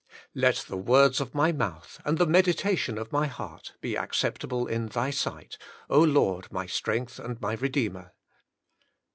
'^ "Let the words of my mouth and the medita tion of my heart, be acceptable in Thy Sight, Lord my Strength and my Redeemer.